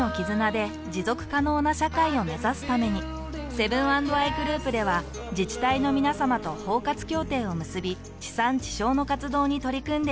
セブン＆アイグループでは自治体のみなさまと包括協定を結び地産地消の活動に取り組んでいます。